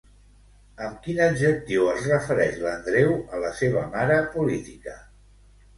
Amb quin adjectiu es refereix l'Andreu a la seva mare política?